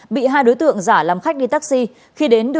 bị hai đối tượng giả làm khách đi taxi